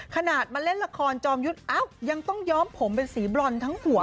ขนาดมาเล่นละครจอมยุทธ์ยังต้องย้อมผมเป็นสีบรอนทั้งหัว